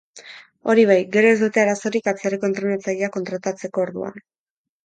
Hori bai, gero ez dute arazorik atzerriko entrenatzaileak kontratatzeko orduan.